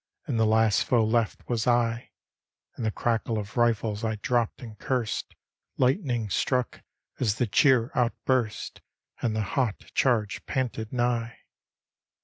And the last foe left was I, In die crackle of rifles I dropped and cursed, Lightning struck as the cheer outburst And the hot charge panted nig^.